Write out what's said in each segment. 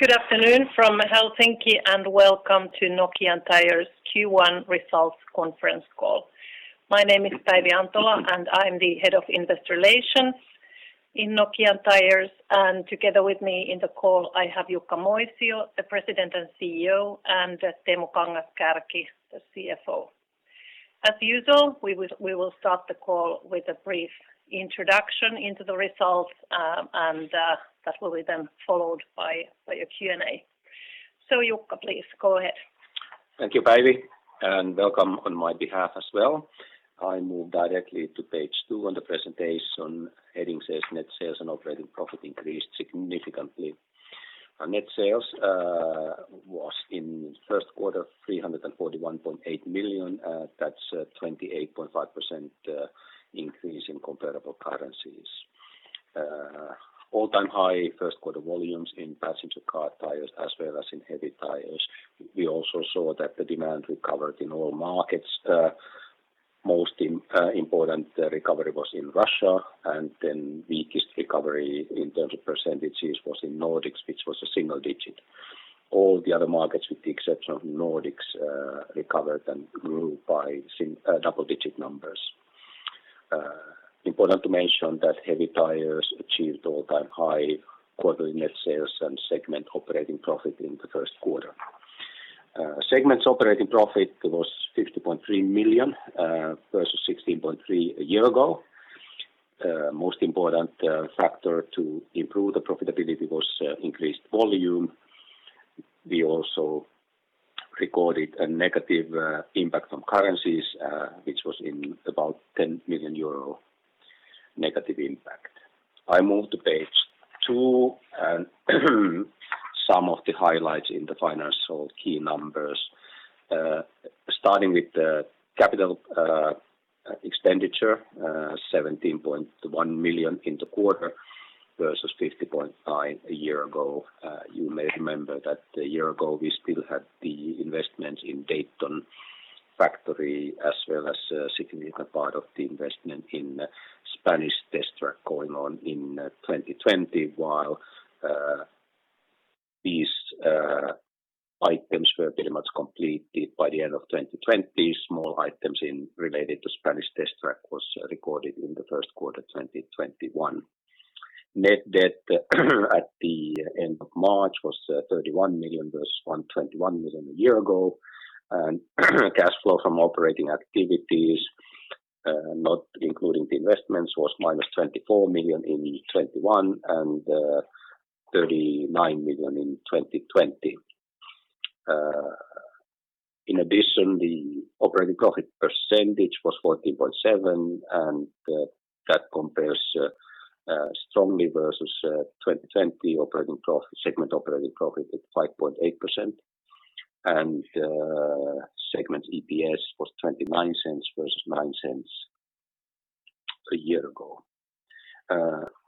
Good afternoon from Helsinki, and welcome to Nokian Tyres Q1 Results Conference Call. My name is Päivi Antola, and I'm the Head of Investor Relations in Nokian Tyres. Together with me in the call, I have Jukka Moisio, the President and CEO, and Teemu Kangas-Kärki, the CFO. As usual, we will start the call with a brief introduction into the results, and that will be then followed by a Q&A. Jukka, please go ahead. Thank you, Päivi, and welcome on my behalf as well. I move directly to page two on the presentation, heading says, "Net Sales and Operating Profit Increased Significantly." Our net sales was in the first quarter, 341.8 million. That's a 28.5% increase in comparable currencies. All-time high first quarter volumes in Passenger Car Tyres, as well as in Heavy Tyres. We also saw that the demand recovered in all markets. Most important recovery was in Russia, and then weakest recovery in terms of percentages was in Nordics, which was a single digit. All the other markets, with the exception of Nordics, recovered and grew by double-digit numbers. Important to mention that Heavy Tyres achieved all-time high quarterly net sales and segment operating profit in the first quarter. Segment operating profit was 50.3 million, versus 16.3 million a year ago. Most important factor to improve the profitability was increased volume. We also recorded a negative impact on currencies, which was in about 10 million euro negative impact. I move to page two, and some of the highlights in the financial key numbers. Starting with the capital expenditure, 17.1 million in the quarter versus 50.9 million a year ago. You may remember that a year ago, we still had the investment in Dayton factory, as well as a significant part of the investment in Spanish test track going on in 2020, while these items were pretty much completed by the end of 2020. Small items related to Spanish test track was recorded in Q1 2021. Net debt at the end of March was 31 million versus 121 million a year ago, and cash flow from operating activities, not including the investments, was -24 million in 2021 and 39 million in 2020. In addition, the operating profit percentage was 14.7%, and that compares strongly versus 2020 segment operating profit at 5.8%, and segment EPS was 0.29 versus 0.09 a year ago.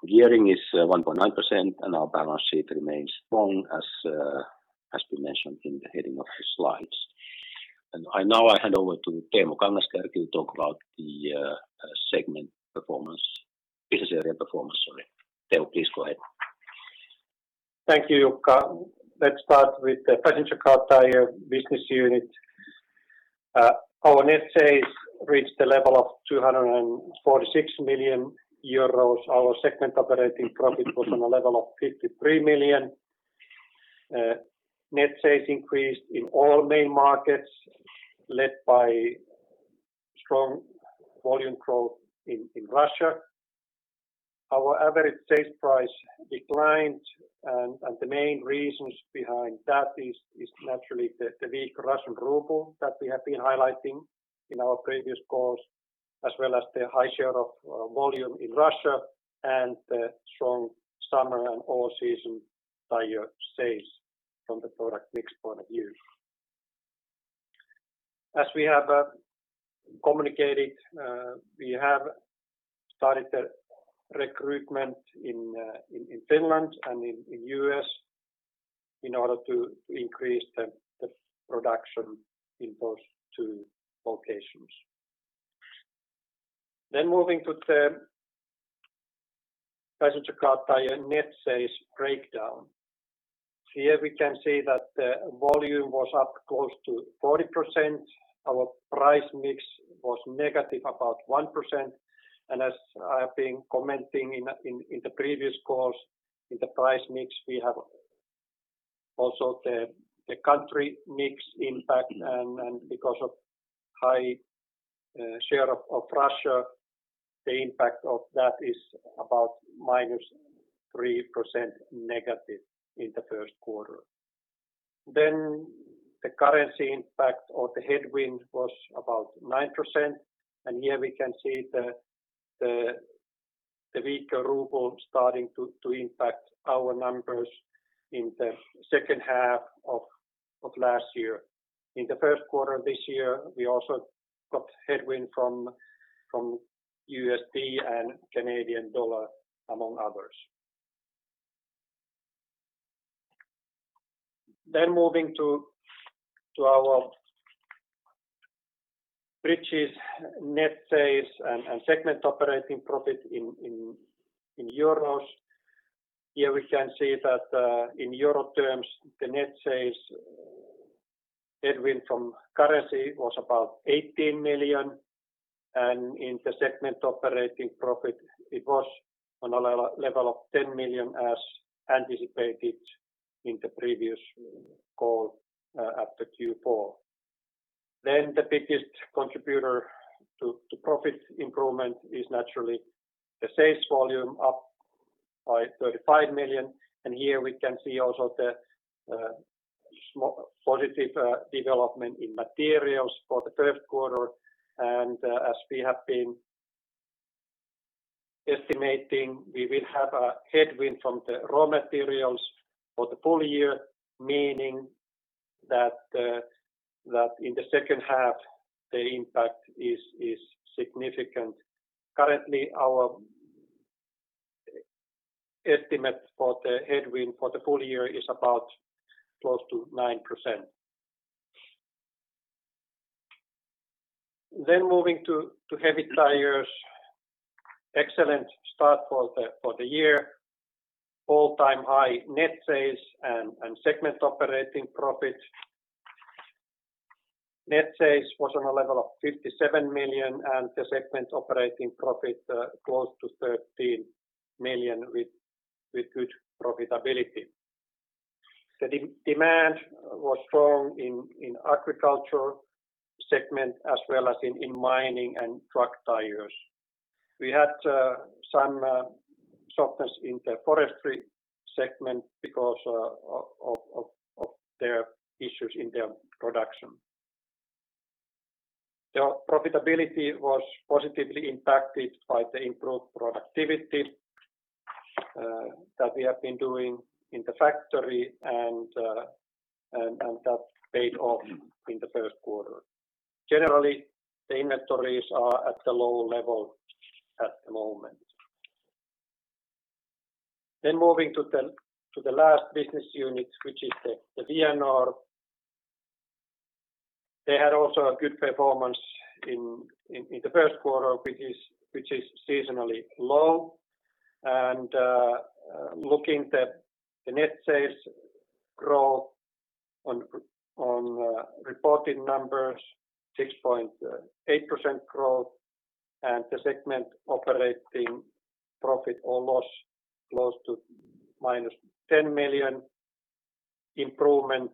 Gearing is 1.9%, and our balance sheet remains strong as we mentioned in the heading of the slides. Now I hand over to Teemu Kangas-Kärki to talk about the business area performance. Teemu, please go ahead. Thank you, Jukka. Let's start with the Passenger Car Tyres business unit. Our net sales reached a level of 246 million euros. Our segment operating profit was on a level of 53 million. Net sales increased in all main markets, led by strong volume growth in Russia. Our average sales price declined. The main reasons behind that is naturally the weak Russian ruble that we have been highlighting in our previous calls, as well as the high share of volume in Russia and the strong summer and all-season tire sales from the product mix point of view. As we have communicated, we have started the recruitment in Finland and in U.S. in order to increase the production in those two locations. Moving to the Passenger Car Tyres net sales breakdown. Here we can see that the volume was up close to 40%. Our price mix was negative about 1%, as I have been commenting in the previous calls, in the price mix, we have also the country mix impact, and because of high share of Russia, the impact of that is about -3% negative in the first quarter. The currency impact or the headwind was about 9%, and here we can see the weaker ruble starting to impact our numbers in the second half of last year. In the first quarter this year, we also got headwind from USD and Canadian dollar, among others. Moving to our net sales and segment operating profit in euros. Here we can see that in euro terms, the net sales headwind from currency was about 18 million, and in the segment operating profit, it was on a level of 10 million as anticipated in the previous call at the Q4. The biggest contributor to profit improvement is naturally the sales volume up by 35 million. Here we can see also the positive development in materials for the first quarter. As we have been estimating, we will have a headwind from the raw materials for the full year, meaning that in the second half, the impact is significant. Currently, our estimate for the headwind for the full year is about close to 9%. Moving to Heavy Tyres. Excellent start for the year. All-time high net sales and segment operating profit. Net sales was on a level of EUR 57 million, and the segment operating profit close to 13 million with good profitability. The demand was strong in agriculture segment as well as in mining and truck tyres. We had some softness in the forestry segment because of their issues in their production. The profitability was positively impacted by the improved productivity that we have been doing in the factory and that paid off in the first quarter. Generally, the inventories are at a low level at the moment. Moving to the last business unit, which is the Vianor. They had also a good performance in the first quarter, which is seasonally low. Looking at the net sales growth on reported numbers, 6.8% growth, and the segment operating profit or loss close to minus 10 million improvement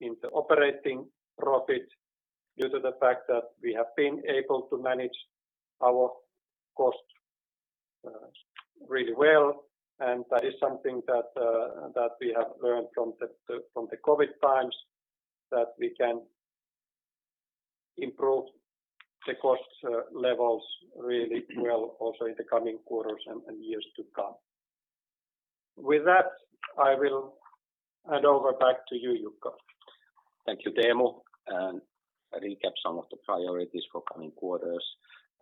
in the operating profit due to the fact that we have been able to manage our cost really well. That is something that we have learned from the COVID times, that we can improve the cost levels really well also in the coming quarters and years to come. With that, I will hand over back to you, Jukka. Thank you, Teemu. I'll recap some of the priorities for coming quarters.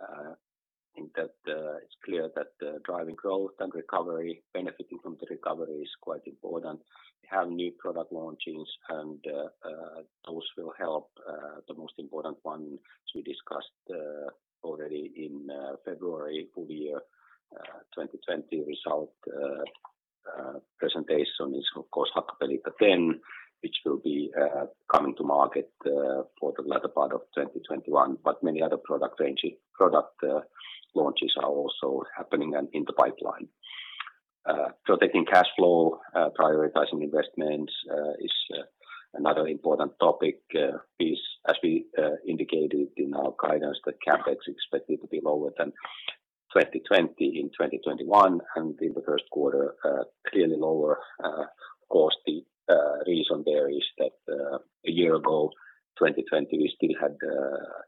I think that it's clear that driving growth and recovery, benefiting from the recovery is quite important. We have new product launches. Those will help. The most important one we discussed already in February Full Year 2020 Result Presentation is, of course, Hakkapeliitta 10, which will be coming to market for the latter part of 2021. Many other product launches are also happening and in the pipeline. Protecting cash flow, prioritizing investments is another important topic is, as we indicated in our guidance, the CapEx expected to be lower than 2020 in 2021 and in the first quarter clearly lower. Of course, the reason there is that a year ago, 2020, we still had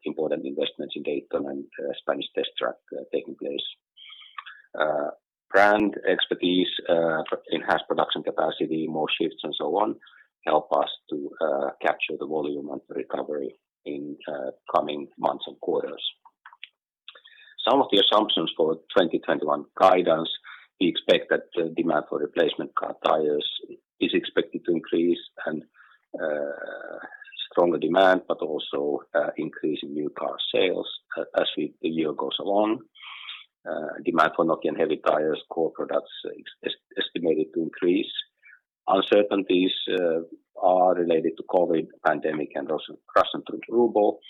important investments in Dayton and Spanish test track taking place. Brand expertise enhanced production capacity, more shifts and so on, help us to capture the volume of the recovery in coming months and quarters. Some of the assumptions for 2021 guidance, we expect that the demand for replacement car tires is expected to increase and stronger demand, but also increase in new car sales as the year goes along. Demand for Nokian Heavy Tyres core products is estimated to increase. Uncertainties are related to COVID pandemic and also crash into ruble.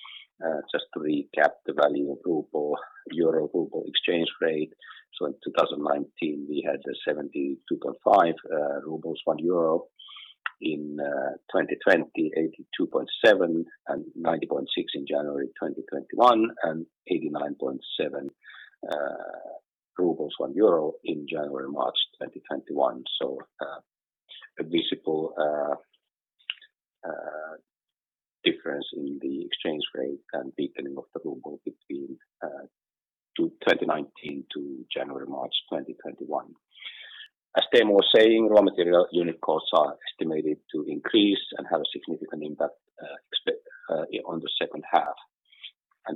Just to recap the value of ruble, euro-ruble exchange rate. In 2019, we had 72.5 rubles, 1 euro. In 2020, 82.7 and 90.6 in January 2021, and 89.7 rubles, 1 euro in January to March 2021. A visible difference in the exchange rate and weakening of the ruble between 2019 to January, March 2021. As Teemu was saying, raw material unit costs are estimated to increase and have a significant impact on the second half.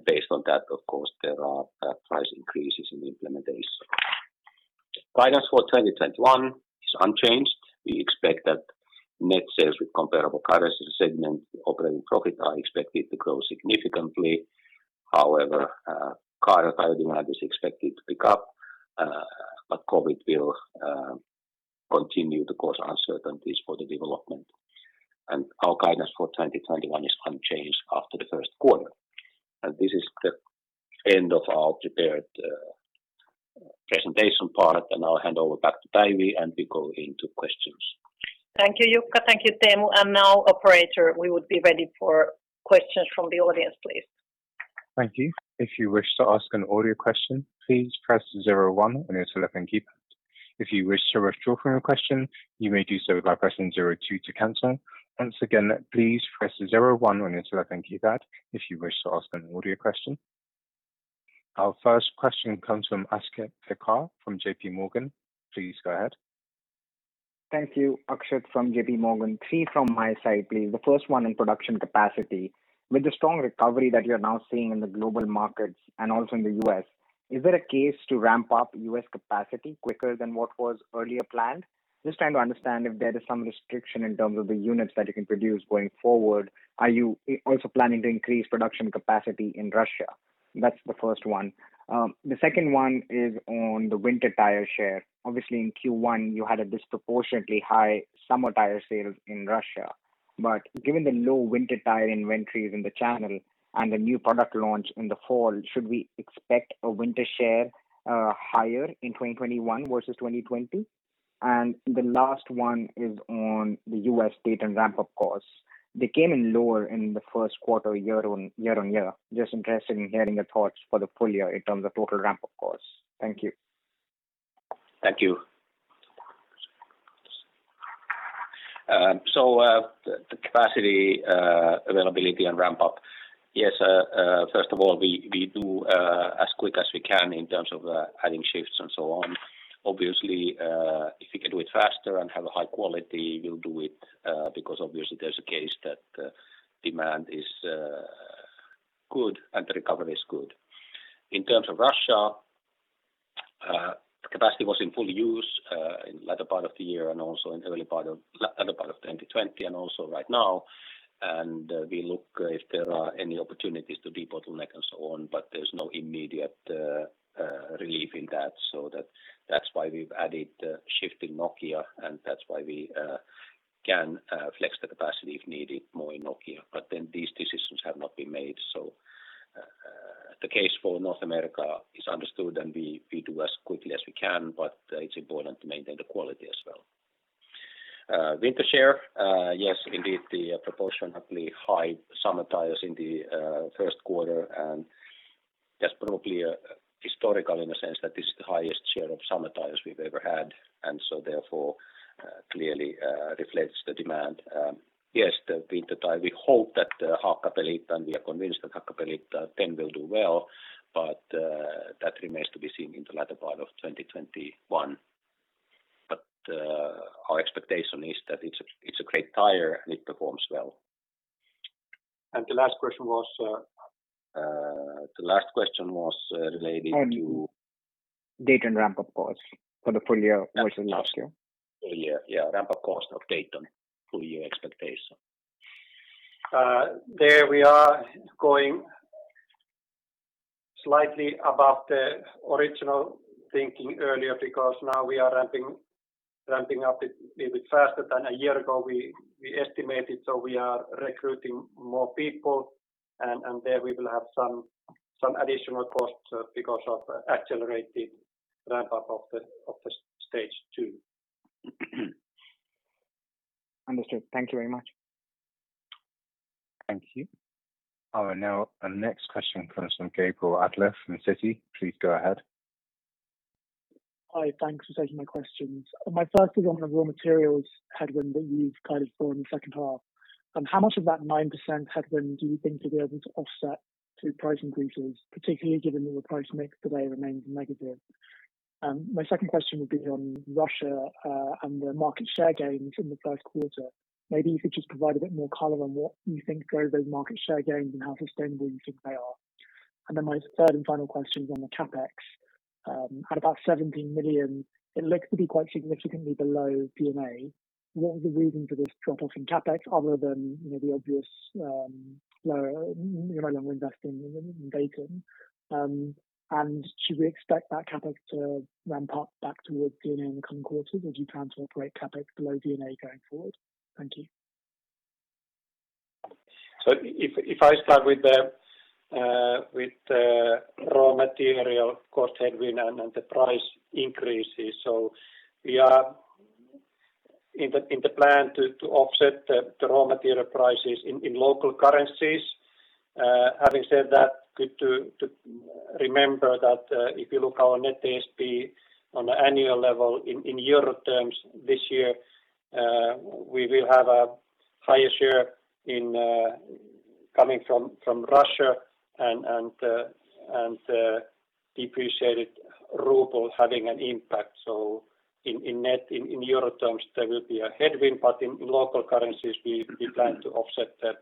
Based on that, of course, there are price increases in implementation. Guidance for 2021 is unchanged. We expect that net sales with comparable currency segment operating profit are expected to grow significantly. Our car tire demand is expected to pick up, but COVID will continue to cause uncertainties for the development. Our guidance for 2021 is unchanged after the first quarter. This is the end of our prepared presentation part, and I'll hand over back to Päivi, and we go into questions. Thank you, Jukka. Thank you, Teemu. Now operator, we would be ready for questions from the audience, please. Thank you. If you wish to ask an audio question, please press zero one on your telephone key. If you wish to withdraw from your question, you may do so by pressing zero two to cancel. Once again, please press zero one on your telephone keypad if you wish to ask an audio question. Our first question comes from Akshat Kacker from JPMorgan. Please go ahead. Thank you. Akshat from JPMorgan, three from my side, please. The first one in production capacity. With the strong recovery that you're now seeing in the global markets and also in the U.S., is there a case to ramp up U.S. capacity quicker than what was earlier planned? Just trying to understand if there is some restriction in terms of the units that you can produce going forward. Are you also planning to increase production capacity in Russia? That's the first one. The second one is on the winter tire share. Obviously in Q1, you had a disproportionately high summer tire sales in Russia. Given the low winter tire inventories in the channel and the new product launch in the fall, should we expect a winter share higher in 2021 versus 2020? The last one is on the U.S. Dayton ramp-up cost. They came in lower in the first quarter year-over-year. Just interested in hearing your thoughts for the full year in terms of total ramp-up cost. Thank you. Thank you. The capacity availability and ramp up. Yes, first of all, we do as quick as we can in terms of adding shifts and so on. Obviously, if we can do it faster and have a high quality, we'll do it, because obviously there's a case that demand is good and the recovery is good. In terms of Russia, capacity was in full use, in latter part of the year and also in latter part of 2020 and also right now. We look if there are any opportunities to debottleneck and so on, but there's no immediate relief in that. That's why we've added shift in Nokia, and that's why we can flex the capacity if needed more in Nokia. These decisions have not been made. The case for North America is understood, and we do as quickly as we can, but it's important to maintain the quality as well. Winter share, yes, indeed, the proportionately high summer tires in the first quarter, and just probably historical in the sense that this is the highest share of summer tires we've ever had. Therefore, clearly reflects the demand. Yes, the winter tire, we hope that the Hakkapeliitta, and we are convinced that Hakkapeliitta 10 will do well, but that remains to be seen in the latter part of 2021. Our expectation is that it's a great tire and it performs well. And the last question was? The last question was related to? Dayton ramp-up cost for the full year versus last year. Full year, yeah, ramp-up cost of Dayton, full year expectation. We are going slightly above the original thinking earlier because now we are ramping up a bit faster than a year ago we estimated. We are recruiting more people. There we will have some additional costs because of accelerated ramp-up of the stage two. Understood. Thank you very much. Thank you. All right, our next question comes from Gabriel Adler from Citi. Please go ahead. Hi, thanks for taking my questions. My first is on the raw materials headwind that you've guided for in the second half. How much of that 9% headwind do you think you'll be able to offset through price increases, particularly given that the price mix today remains negative? My second question would be on Russia, and the market share gains in the first quarter. Maybe you could just provide a bit more color on what you think drove those market share gains and how sustainable you think they are. Then my third and final question is on the CapEx. At about 17 million, it looks to be quite significantly below D&A. What was the reason for this drop-off in CapEx other than the obvious, you're no longer investing in Dayton? Should we expect that CapEx to ramp up back towards D&A in the coming quarters, or do you plan to operate CapEx below D&A going forward? Thank you. If I start with the raw material cost headwind and the price increases. We are in the plan to offset the raw material prices in local currencies. Having said that, good to remember that if you look our Net ASP on an annual level in euro terms this year, we will have a higher share coming from Russia and depreciated ruble having an impact. In net, in euro terms, there will be a headwind, but in local currencies, we plan to offset the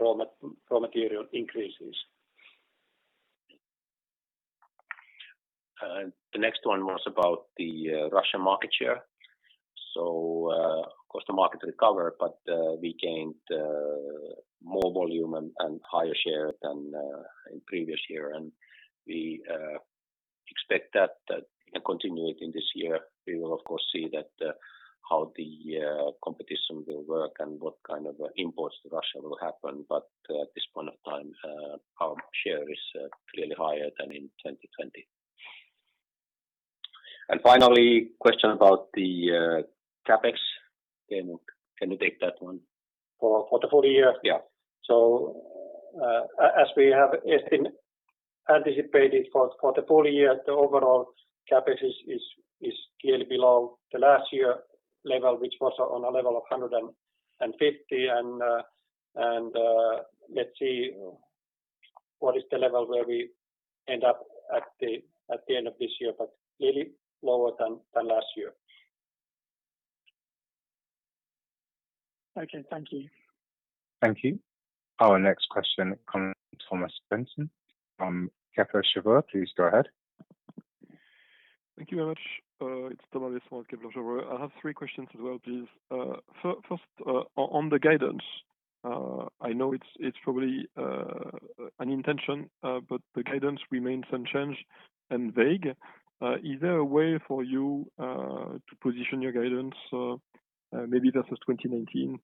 raw material increases. The next one was about the Russian market share. Of course, the market recovered, but we gained more volume and higher share than in previous year, and we expect that to continue in this year. We will, of course, see how the competition will work and what kind of imports to Russia will happen. At this point of time, our share is clearly higher than in 2020. Finally, question about the CapEx. Teemu, can you take that one? For the full year? Yeah. As we have anticipated for the full year, the overall CapEx is clearly below the last year level, which was on a level of 150, and let's see what is the level where we end up at the end of this year, but clearly lower than last year. Okay. Thank you. Thank you. Our next question comes from Thomas Besson from Kepler Cheuvreux. Please go ahead. Thank you very much. It's Thomas from Kepler Cheuvreux. I have three questions as well, please. First, on the guidance. I know it's probably an intention, but the guidance remains unchanged and vague. Is there a way for you to position your guidance maybe versus 2019?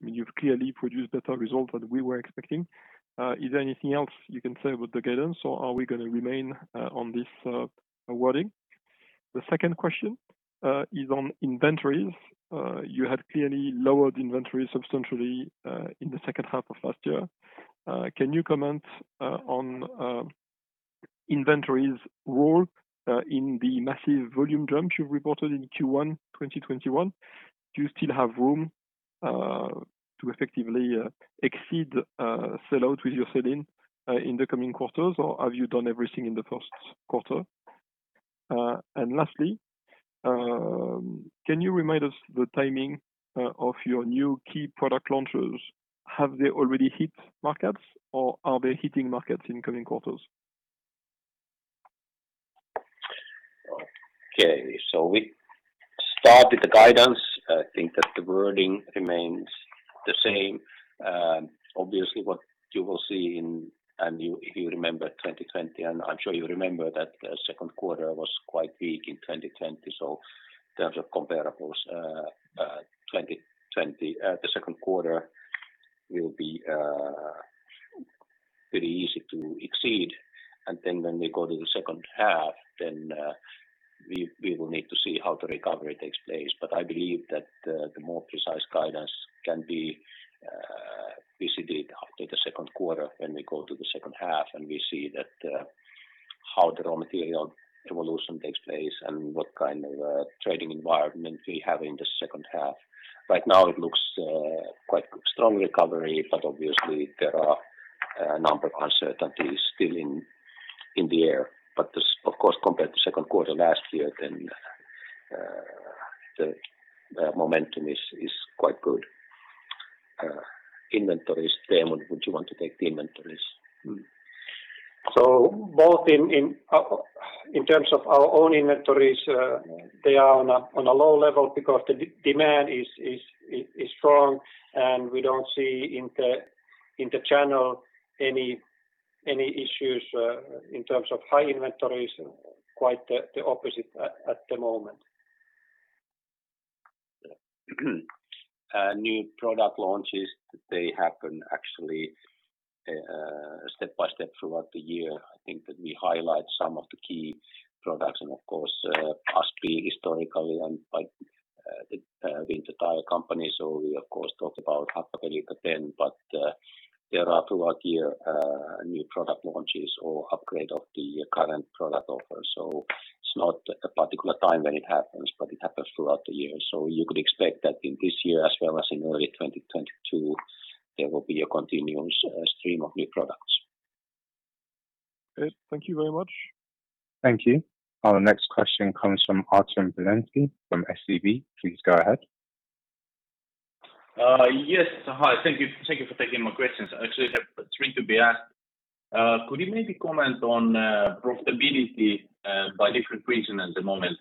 You've clearly produced better results than we were expecting. Is there anything else you can say about the guidance, or are we going to remain on this wording? The second question is on inventories. You had clearly lowered inventories substantially in the second half of last year. Can you comment on inventories role in the massive volume jump you've reported in Q1 2021? Do you still have room to effectively exceed sellout with your selling in the coming quarters, or have you done everything in the first quarter? Lastly, can you remind us the timing of your new key product launches? Have they already hit markets or are they hitting markets in coming quarters? Okay, we start with the guidance. I think that the wording remains the same. Obviously, what you will see in, and if you remember 2020, and I'm sure you remember that the second quarter was quite weak in 2020. In terms of comparables 2020, the second quarter will be pretty easy to exceed. When we go to the second half, then we will need to see how the recovery takes place. I believe that the more precise guidance can be visited after the second quarter when we go to the second half, and we see that how the raw material evolution takes place and what kind of trading environment we have in the second half. Right now it looks quite strong recovery, but obviously there are a number of uncertainties still in the air. Of course, compared to second quarter last year, the momentum is quite good. Inventories, Teemu, would you want to take the inventories? Both in terms of our own inventories, they are on a low level because the demand is strong, and we don't see in the channel any issues in terms of high inventories. Quite the opposite at the moment. New product launches, they happen actually step by step throughout the year. I think that we highlight some of the key products and, of course, as historically and like the winter tire company, we of course talk about Hakkapeliitta 10, but there are throughout year new product launches or upgrade of the current product offer. It's not a particular time when it happens, but it happens throughout the year. You could expect that in this year as well as in early 2022, there will be a continuous stream of new products. Great. Thank you very much. Thank you. Our next question comes from Artem Beletski from SEB. Please go ahead. Yes, hi. Thank you for taking my questions. I actually have three to be asked. Could you maybe comment on profitability by different region at the moment?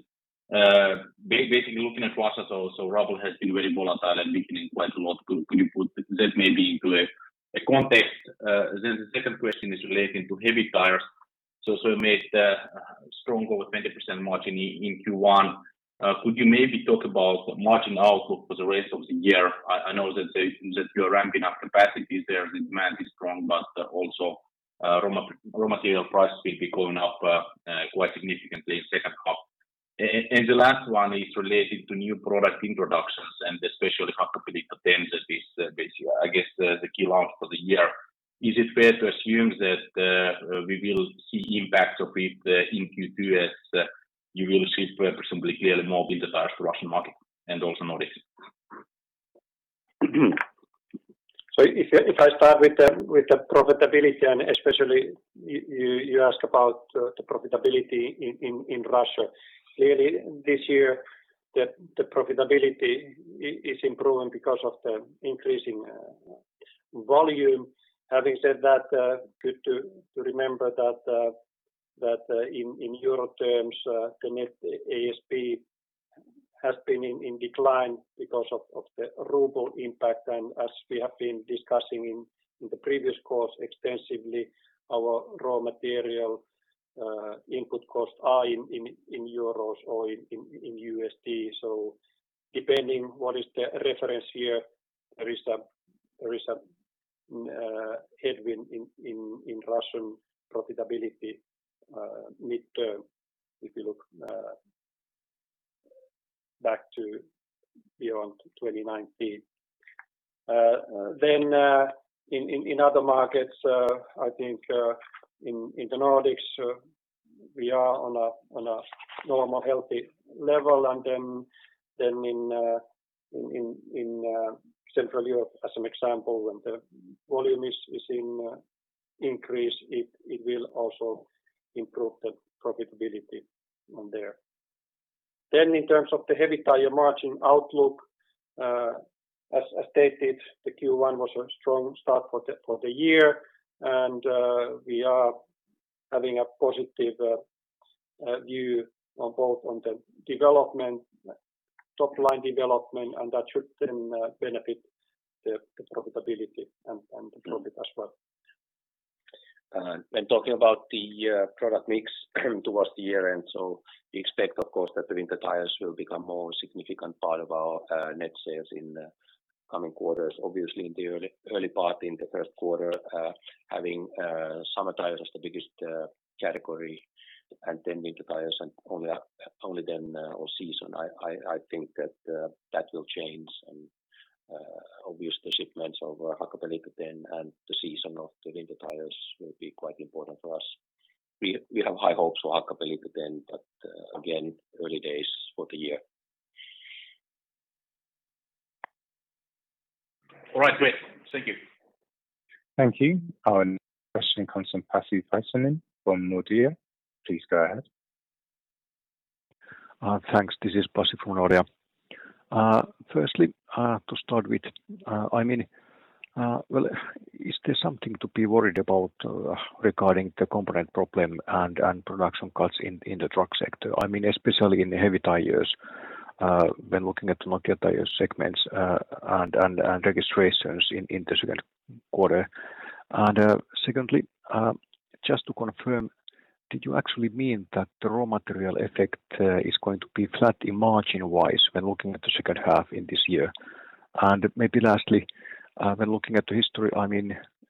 Basically looking at Russia, the ruble has been very volatile and weakening quite a lot. Could you put that maybe into a context? The second question is relating to Heavy Tyres. You made a strong over 20% margin in Q1. Could you maybe talk about margin outlook for the rest of the year? I know that you're ramping up capacities there, the demand is strong, but also raw material prices will be going up quite significantly in second half. The last one is related to new product introductions and especially Hakkapeliitta 10 that is, I guess the key launch for the year. Is it fair to assume that we will see impact of it in Q2? You will see presumably clearly more winter tires to Russian market and also Nordics. If I start with the profitability, and especially you asked about the profitability in Russia. Clearly this year the profitability is improving because of the increasing volume. Having said that, good to remember that in euro terms, the Net ASP has been in decline because of the ruble impact. As we have been discussing in the previous calls extensively, our raw material input costs are in euro or in USD. Depending what is the reference here, there is a headwind in Russian profitability mid-term if you look back to beyond 2019. In other markets, I think in the Nordics, we are on a normal, healthy level. In Central Europe, as an example, when the volume is in increase, it will also improve the profitability on there. In terms of the Heavy Tyres margin outlook, as stated, the Q1 was a strong start for the year, and we are having a positive view on both on the top line development, and that should then benefit the profitability and the profit as well. When talking about the product mix towards the year-end, we expect, of course, that the winter tires will become more significant part of our net sales in the coming quarters. Obviously, in the early part, in the first quarter, having summer tires as the biggest category and then winter tires and only then all season, I think that that will change. Obviously, shipments over Hakkapeliitta 10 and the season of the winter tires will be quite important for us. We have high hopes for Hakkapeliitta 10, but again, early days for the year. All right, great. Thank you. Thank you. Our next question comes from Pasi Väisänen from Nordea. Please go ahead. Thanks. This is Pasi from Nordea. Firstly, to start with, is there something to be worried about regarding the component problem and production cuts in the truck sector? Especially in the Heavy Tyres, when looking at the Nokian Tyres segments and registrations in the second quarter. Secondly, just to confirm, did you actually mean that the raw material effect is going to be flat in margin-wise when looking at the second half in this year? Maybe lastly, when looking at the history,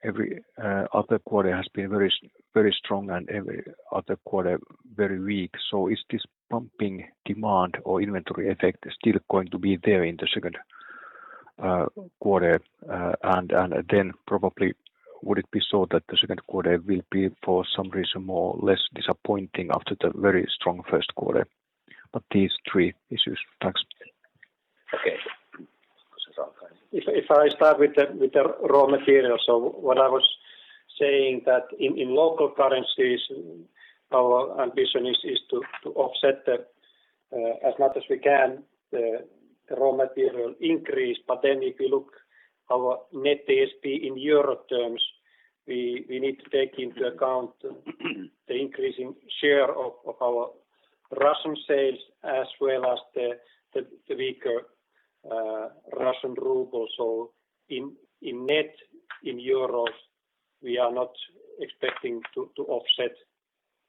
every other quarter has been very strong and every other quarter very weak. Is this pumping demand or inventory effect still going to be there in the second quarter? Probably would it be so that the second quarter will be, for some reason, more or less disappointing after the very strong first quarter? These three issues. Thanks. Okay. If I start with the raw materials, what I was saying that in local currencies, our ambition is to offset that as much as we can, the raw material increase. If you look our Net ASP in euro terms, we need to take into account the increasing share of our Russian sales as well as the weaker Russian ruble. In net, in euro, we are not expecting to offset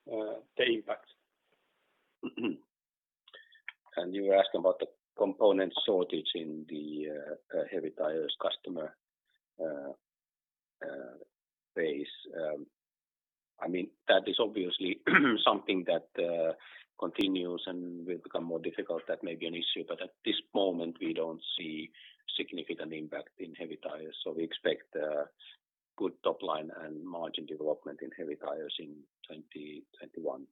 the impact. You were asking about the component shortage in the Heavy Tyres customer base. That is obviously something that continues and will become more difficult. That may be an issue, but at this moment, we don't see significant impact in Heavy Tyres. We expect good top line and margin development in Heavy Tyres in 2021.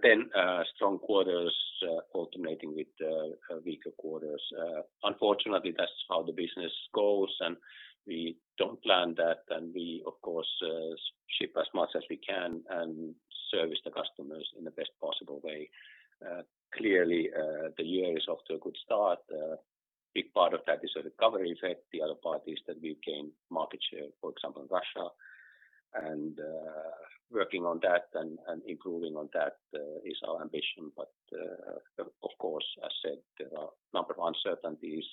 Then strong quarters alternating with weaker quarters. Unfortunately, that's how the business goes, and we don't plan that, and we, of course, ship as much as we can and service the customers in the best possible way. Clearly, the year is off to a good start. A big part of that is a recovery effect. The other part is that we've gained market share, for example, in Russia, and working on that and improving on that is our ambition. Of course, as said, there are a number of uncertainties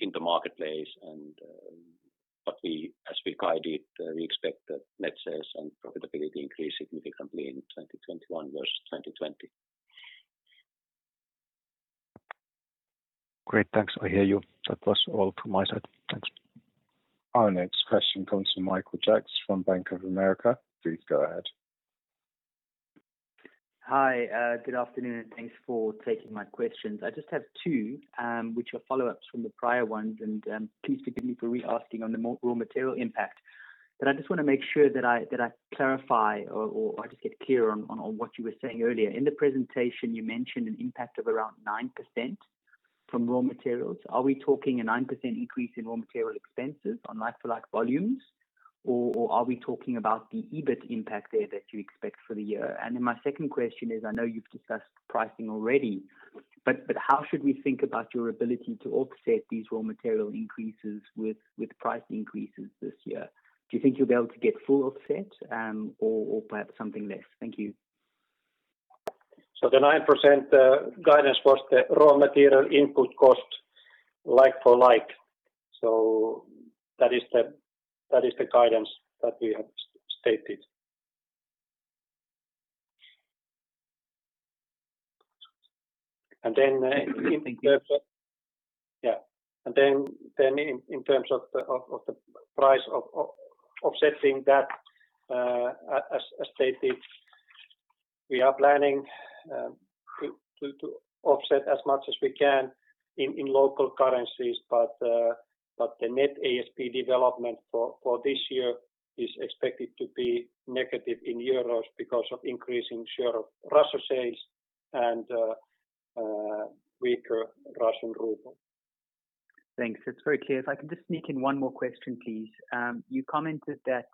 in the marketplace, but as we guided, we expect that net sales and profitability increase significantly in 2021 versus 2020. Great. Thanks. I hear you. That was all from my side. Thanks. Our next question comes from Michael Jacks from Bank of America. Please go ahead. Hi. Good afternoon, and thanks for taking my questions. I just have two, which are follow-ups from the prior ones, and please forgive me for re-asking on the raw material impact. I just want to make sure that I clarify or I just get clear on what you were saying earlier. In the presentation, you mentioned an impact of around 9% from raw materials, are we talking a 9% increase in raw material expenses on like-for-like volumes, or are we talking about the EBIT impact there that you expect for the year? My second question is, I know you've discussed pricing already, but how should we think about your ability to offset these raw material increases with price increases this year? Do you think you'll be able to get full offset, or perhaps something less? Thank you. The 9% guidance was the raw material input cost like for like. That is the guidance that we have stated. Thank you. In terms of the price of offsetting that, as stated, we are planning to offset as much as we can in local currencies. The Net ASP development for this year is expected to be negative in EUR because of increasing share of Russia sales and weaker Russian ruble. Thanks. That's very clear. If I can just sneak in one more question, please. You commented that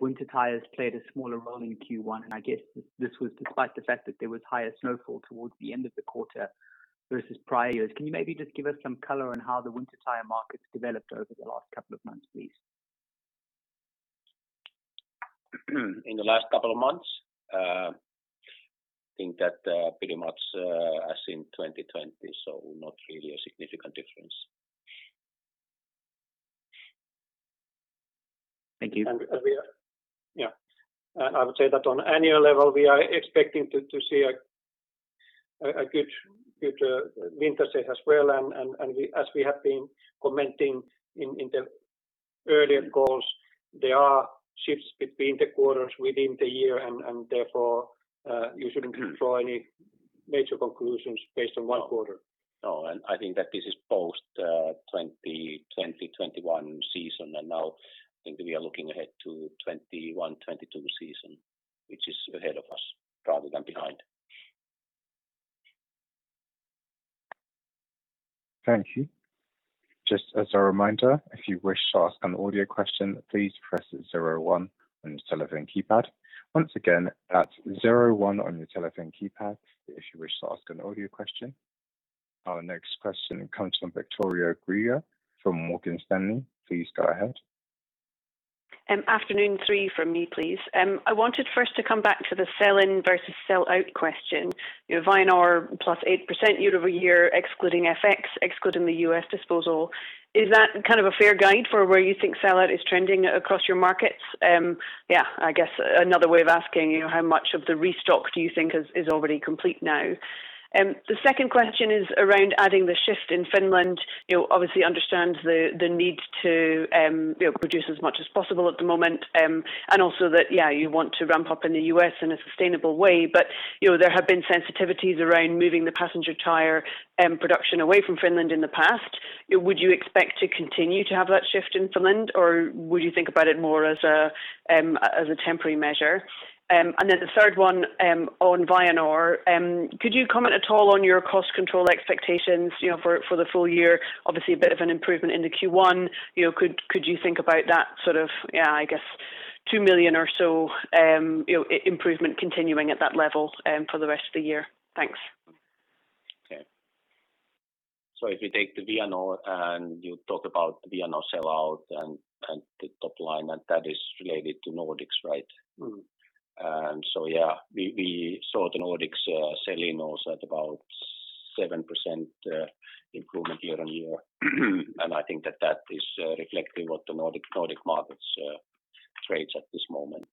winter tires played a smaller role in Q1, and I guess this was despite the fact that there was higher snowfall towards the end of the quarter versus prior years. Can you maybe just give us some color on how the winter tire markets developed over the last couple of months, please? In the last couple of months, I think that pretty much as in 2020, so not really a significant difference. Thank you. Yeah. I would say that on annual level, we are expecting to see a good winter set as well. As we have been commenting in the earlier calls, there are shifts between the quarters within the year, and therefore, you shouldn't draw any major conclusions based on one quarter. I think that this is post 2020, 2021 season, and now I think we are looking ahead to 2021, 2022 season, which is ahead of us rather than behind. Thank you. Just as a reminder, if you wish to ask an audio question, please press zero one in your telephone keypad. Once again, that's zero one on your telephone keypad if you wish to ask an audio question. Our next question comes from Victoria Greer from Morgan Stanley. Please go ahead. Afternoon, three from me, please. I wanted first to come back to the sell-in versus sell-out question. Vianor plus 8% year-over-year, excluding FX, excluding the U.S. disposal. Is that a fair guide for where you think sell-out is trending across your markets? I guess another way of asking, how much of the restock do you think is already complete now? The second question is around adding the shift in Finland. Obviously understand the need to produce as much as possible at the moment, and also that, you want to ramp up in the U.S. in a sustainable way. There have been sensitivities around moving the passenger tire production away from Finland in the past. Would you expect to continue to have that shift in Finland, or would you think about it more as a temporary measure? The third one on Vianor, could you comment at all on your cost control expectations for the full year? Obviously a bit of an improvement into Q1. Could you think about that sort of, I guess, 2 million or so improvement continuing at that level for the rest of the year? Thanks. Okay. If you take the Vianor and you talk about the Vianor sell-out and the top line, and that is related to Nordics, right? Yeah, we saw the Nordics sell-in also at about 7% improvement year-on-year. I think that that is reflecting what the Nordic markets trades at this moment.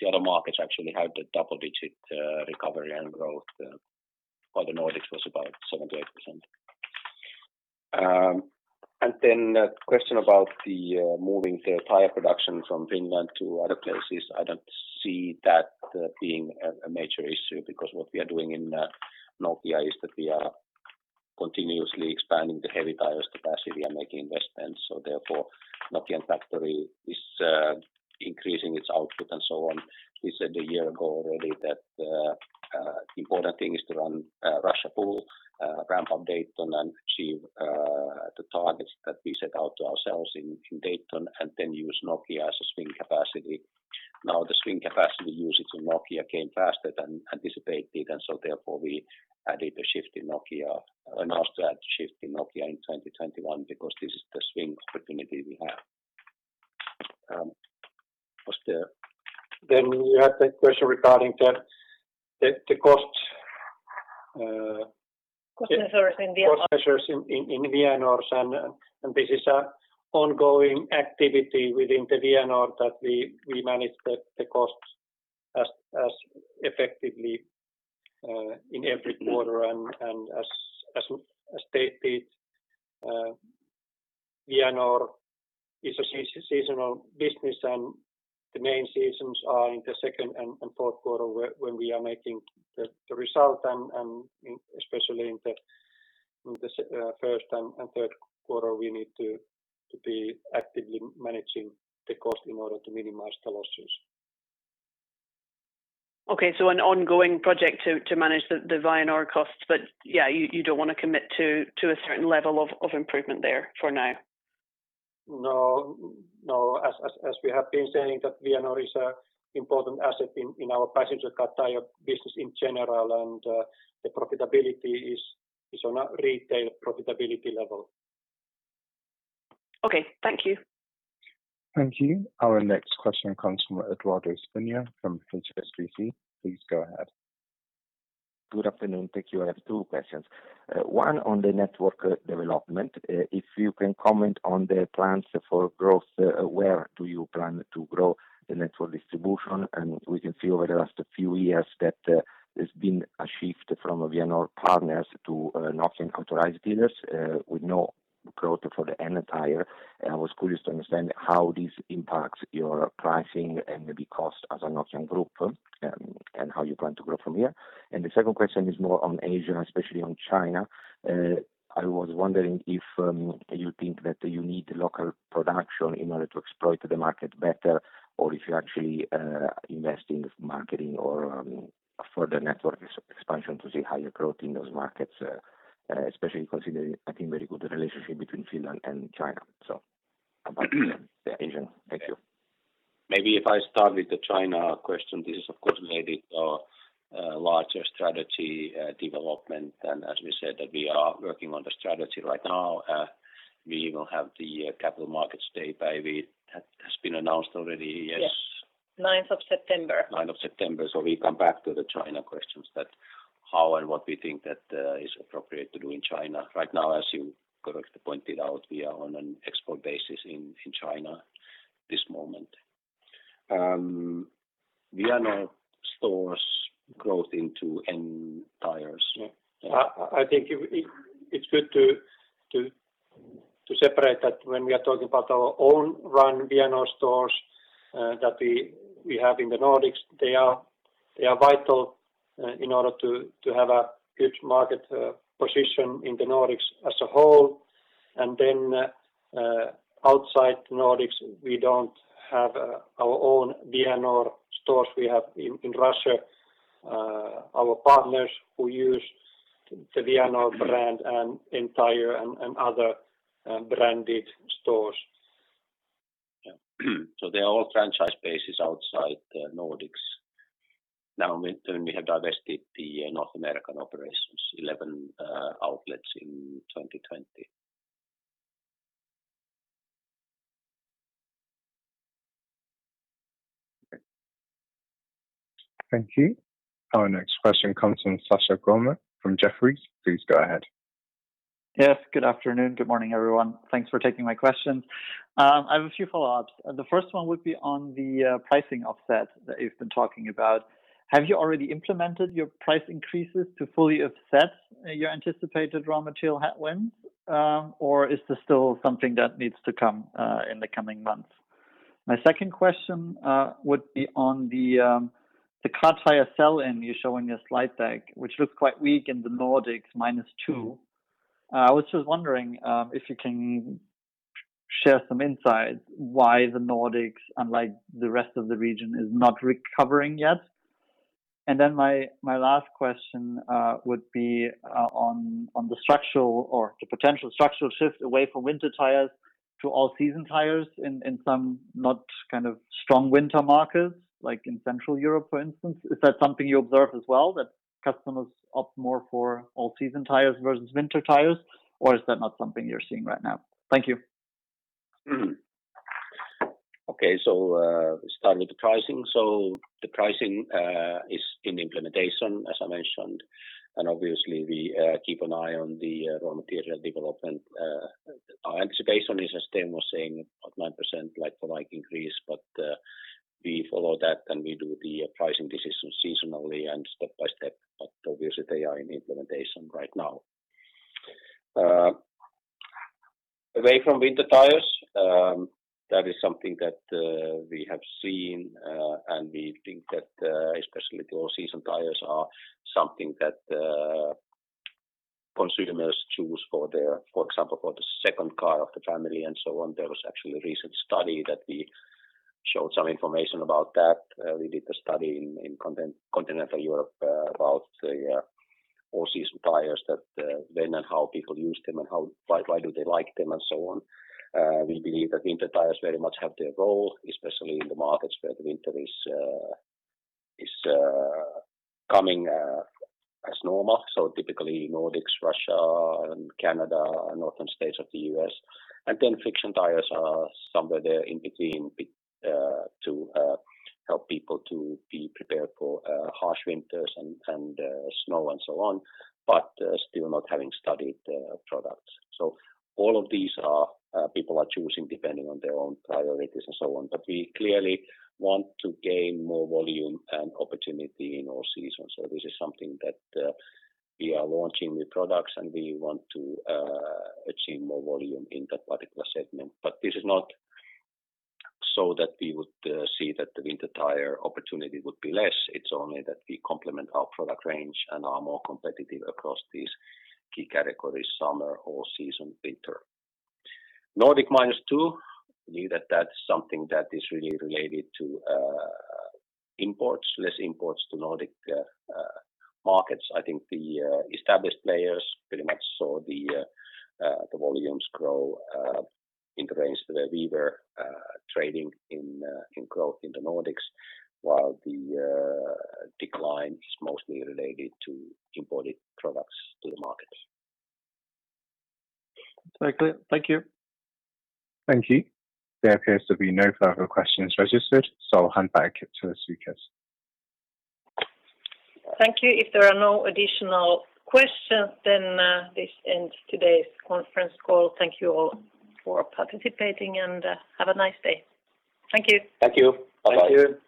The other markets actually had a double-digit recovery and growth, while the Nordics was about 7%-8%. A question about the moving the tire production from Finland to other places. I don't see that being a major issue because what we are doing in Nokia is that we are continuously expanding the Heavy Tyres capacity and making investments. Therefore, Nokian factory is increasing its output and so on. We said a year ago already that important thing is to run Russia full, ramp up Dayton and achieve the targets that we set out to ourselves in Dayton, and then use Nokia as a swing capacity. The swing capacity usage in Nokia came faster than anticipated, therefore we added a shift in Nokia, announced that shift in Nokia in 2021 because this is the swing opportunity we have. You had the question regarding the costs. Cost measures in Vianor. Cost measures in Vianor. This is an ongoing activity within the Vianor that we manage the costs as effectively in every quarter. As stated, Vianor is a seasonal business, and the main seasons are in the second and fourth quarter when we are making the result, and especially in the first and third quarter, we need to be actively managing the cost in order to minimize the losses. Okay, an ongoing project to manage the Vianor costs. Yeah, you don't want to commit to a certain level of improvement there for now. No. As we have been saying, Vianor is an important asset in our Passenger Car Tyres business in general, and the profitability is on a retail profitability level. Okay. Thank you. Thank you. Our next question comes from Edoardo Spina from HSBC. Please go ahead. Good afternoon. Thank you. I have two questions. One on the network development, if you can comment on the plans for growth, where do you plan to grow the network distribution? We can see over the last few years that there's been a shift from Vianor partners to Nokian-authorized dealers with no growth for the N-Tyre. I was curious to understand how this impacts your pricing and the cost as a Nokian Group, how you plan to grow from here. The second question is more on Asia, especially on China. I was wondering if you think that you need local production in order to exploit the market better, or if you're actually investing in marketing or further network expansion to see higher growth in those markets, especially considering, I think, very good relationship between Finland and China. About the Asian. Thank you. Maybe if I start with the China question, this is of course related to a larger strategy development. As we said, that we are working on the strategy right now. We will have the Capital Markets Day by what has been announced already. Yes? Yes. September 9th September 9th. We come back to the China questions that how and what we think that is appropriate to do in China. Right now, as you correctly pointed out, we are on an export basis in China this moment. Vianor stores growth into N-Tyres. I think it's good to separate that when we are talking about our own run Vianor stores that we have in the Nordics. They are vital in order to have a good market position in the Nordics as a whole. Outside Nordics, we don't have our own Vianor stores. We have in Russia our partners who use the Vianor brand and N-Tyre and other branded stores. Yeah. They're all franchise bases outside the Nordics now when we have divested the North American operations 11 outlets in 2020. Thank you. Our next question comes from Sascha Gommel from Jefferies. Please go ahead. Yes. Good afternoon. Good morning, everyone. Thanks for taking my questions. I have a few follow-ups. The first one would be on the pricing offset that you've been talking about. Have you already implemented your price increases to fully offset your anticipated raw material headwinds? Or is this still something that needs to come in the coming months? My second question would be on the car tire sell-in you show in your slide deck, which looks quite weak in the Nordics, minus two. I was just wondering if you can share some insights why the Nordics, unlike the rest of the region, is not recovering yet. My last question would be on the structural or the potential structural shift away from winter tires to all-season tires in some not kind of strong winter markets, like in Central Europe, for instance. Is that something you observe as well, that customers opt more for all-season tires versus winter tires, or is that not something you're seeing right now? Thank you. Starting with the pricing. The pricing is in implementation, as I mentioned, and obviously we keep an eye on the raw material development. Our anticipation is, as STEM was saying, about 9% like-for-like increase. We follow that, and we do the pricing decision seasonally and step by step. Obviously they are in implementation right now. Away from winter tires, that is something that we have seen, and we think that especially the all-season tires are something that consumers choose, for example, for the second car of the family and so on. There was actually a recent study that we showed some information about that. We did a study in Continental Europe about the all-season tires that when and how people use them and why do they like them and so on. We believe that winter tires very much have their role, especially in the markets where the winter is coming as normal. Typically Nordics, Russia, and Canada, and northern states of the U.S. and then friction tires are somewhere there in between to help people to be prepared for harsh winters and snow and so on, but still not having studded products. All of these people are choosing depending on their own priorities and so on. We clearly want to gain more volume and opportunity in all seasons. This is something that we are launching new products, and we want to achieve more volume in that particular segment. This is not so that we would see that the winter tire opportunity would be less. It's only that we complement our product range and are more competitive across these key categories, summer, all season, winter. Nordic minus two, that's something that is really related to imports, less imports to Nordic markets. I think the established players pretty much saw the volumes grow in the range that we were trading in growth in the Nordics, while the decline is mostly related to imported products to the markets. Exactly. Thank you. Thank you. There appears to be no further questions registered. I'll hand back to the speakers. Thank you. If there are no additional questions, this ends today's conference call. Thank you all for participating and have a nice day. Thank you. Thank you. Bye-bye. Thank you.